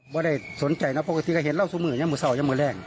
ไม่ได้สนใจนะปกติก็เห็นเหล้าเสมอยังมือเศร้ายังมือแรก